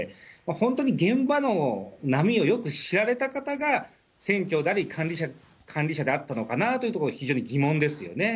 本当に現場の波をよく知られた方が船長であり、管理者であったのかなというのは、非常に疑問ですよね。